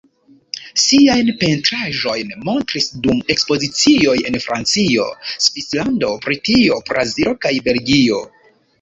Siajn pentraĵojn montris dum ekspozicioj en Francio, Svislando, Britio, Brazilo kaj Belgio.